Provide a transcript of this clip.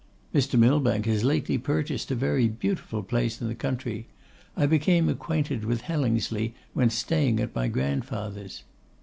'Mr. Millbank has lately purchased a very beautiful place in the county. I became acquainted with Hellingsley when staying at my grandfather's.